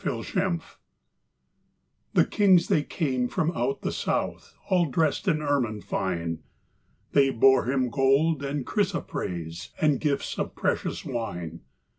Christmas Carol The kings they came from out the south, All dressed in ermine fine, They bore Him gold and chrysoprase, And gifts of precious wine.